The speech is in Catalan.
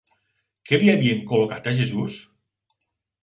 Què li havien col·locat a Jesús?